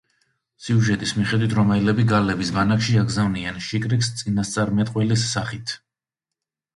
სიუჟეტის მიხედვით, რომაელები გალების ბანაკში აგზავნიან შიკრიკს წინასწარმეტყველის სახით.